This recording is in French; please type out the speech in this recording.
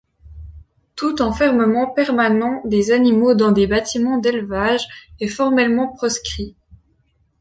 Tout enfermement permanent des animaux dans des bâtiments d'élevage est formellement proscrit.